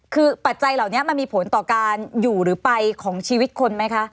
คือปัจจัยเหล่านี้มันมีผลต่อการอยู่หรือไปของชีวิตคนไหมคะ